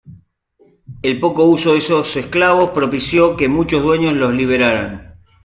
El poco uso de estos esclavos propició que muchos dueños los liberaran.